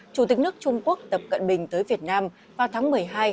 chủ tịch nước trung quốc tập cận bình tới việt nam vào tháng một mươi hai hai nghìn hai mươi ba